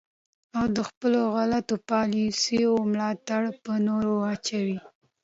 او د خپلو غلطو پالیسیو ملامتیا په نورو واچوي.